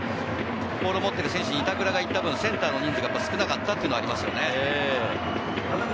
その代わりボールを持っている選手に板倉が行った分、センターの人数が少なかったっていうのはありますね。